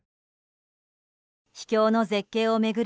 秘境の絶景を巡る